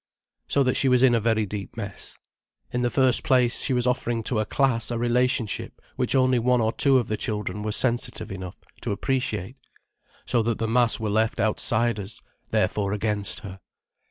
So that she was in a very deep mess. In the first place she was offering to a class a relationship which only one or two of the children were sensitive enough to appreciate, so that the mass were left outsiders, therefore against her.